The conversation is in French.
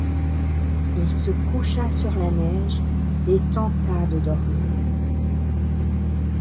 Il se coucha sur la neige et tenta de dormir.